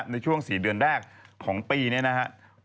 ในช่วง๔เดือนแรกของปีนี้นะครับ